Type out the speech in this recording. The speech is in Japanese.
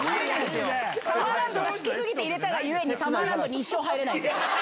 ⁉サマーランドが好き過ぎて入れたが故にサマーランドに一生入れない。